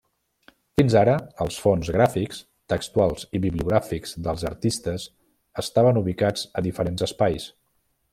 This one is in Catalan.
Fins ara, els fons gràfics, textuals i bibliogràfics dels artistes estaven ubicats a diferents espais.